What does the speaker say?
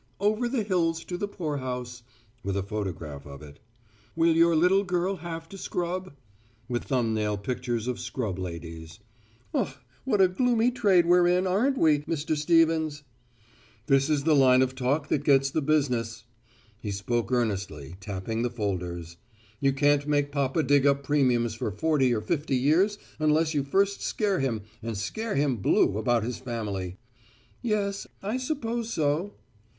"'Over the Hills to the Poorhouse,' with a photograph of it, 'Will Your Little Girl Have to Scrub?' with thumbnail pictures of scrub ladies. Ugh, what a gloomy trade we're in, aren't we, Mr. Stevens?" "This is the line of talk that gets the business." He spoke earnestly, tapping the folders. "You can't make papa dig up premiums for forty or fifty years unless you first scare him and scare him blue about his family." "Yes, I suppose so."